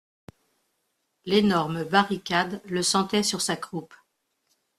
L'énorme barricade le sentait sur sa croupe.